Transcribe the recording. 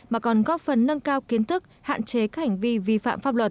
mà còn góp phần nâng cao kiến thức hạn chế các hành vi vi phạm pháp luật